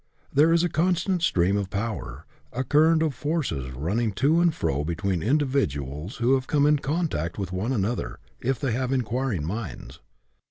There is a constant stream of power, a current of forces running to and fro between individuals who come in contact with one another, if they have inquiring minds.